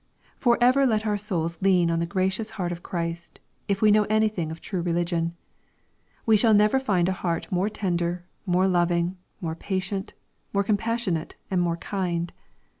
For ever let our souls lean on the gracious heart of Christ, if we know anything of true religion. We shall never find a heart more tender, more loving, more paiient, more compassionate, and more kind.